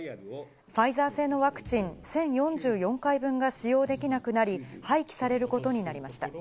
ファイザー製のワクチン１０４４回分が使用できなくなり、廃棄されることになりました。